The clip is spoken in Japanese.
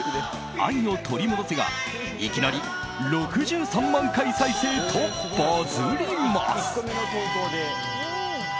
「愛をとりもどせ」がいきなり６３万回再生とバズります。